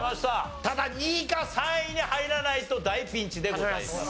ただ２位か３位に入らないと大ピンチでございます。